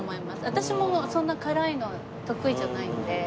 私もそんな辛いの得意じゃないので。